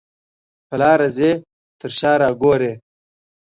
په لاره ځې تر شا را ګورې.